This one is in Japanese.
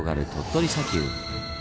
鳥取砂丘。